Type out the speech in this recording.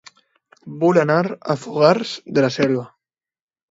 Vull anar a Fogars de la Selva